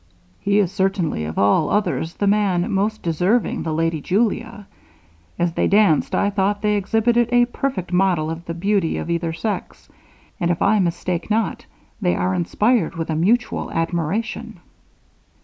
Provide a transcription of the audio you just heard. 'He is certainly of all others the man most deserving the lady Julia. As they danced, I thought they exhibited a perfect model of the beauty of either sex; and if I mistake not, they are inspired with a mutual admiration.'